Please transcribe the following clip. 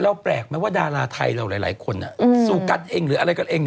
แล้วแปลกมั้ยว่าดาราไทยแล้วหลายคนแบบโซกั๊ตหรืออะไรก็เอง